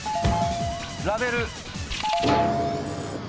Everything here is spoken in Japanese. ラベル。